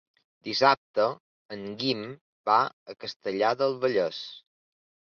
Dissabte en Guim va a Castellar del Vallès.